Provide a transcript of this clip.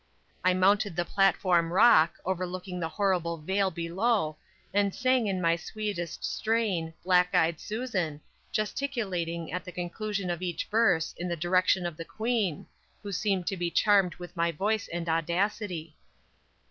I mounted the platform rock, overlooking the horrible vale below, and sang in my sweetest strain "Black Eyed Susan," gesticulating at the conclusion of each verse in the direction of the queen, who seemed to be charmed with my voice and audacity.